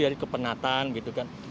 dari kepenatan gitu kan